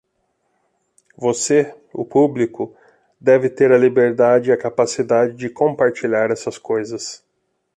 Você, o público, deve ter a liberdade e a capacidade de compartilhar essas coisas.